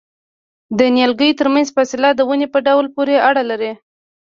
د نیالګیو ترمنځ فاصله د ونې په ډول پورې اړه لري؟